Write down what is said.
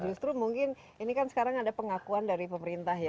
justru mungkin ini kan sekarang ada pengakuan dari pemerintah ya